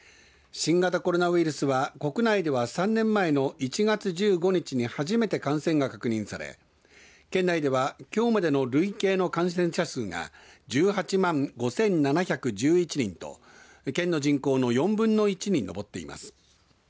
新型コロナウイルスは国内では３年前の１月１５日に初めて感染が確認され県内ではきょうまでの累計の感染者数が１８万５７１１人と県の人口の４分の１に上っています。